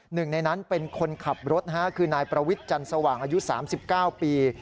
หนึ่งในนั้นเป็นคนขับรถคือนายประวิทย์จันทร์สว่างอายุ๓๙ปี